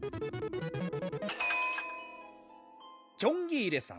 チョンギーレさん